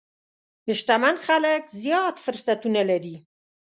شتمن خلک زیات فرصتونه لري.